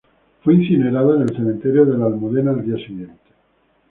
Fue incinerada en el cementerio de la Almudena al día siguiente.